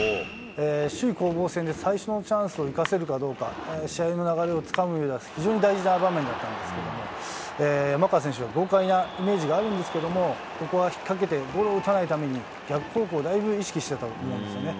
首位攻防戦で最初のチャンスを生かせるかどうか、試合の流れをつかむうえでは、非常に大事な場面だったんですけれども、山川選手は豪快なイメージがあるんですけども、ここは引っ掛けてゴロを打たないために、逆方向をだいぶ意識してたと思うんですよね。